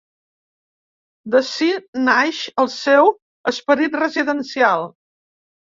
D'ací naix el seu esperit residencial.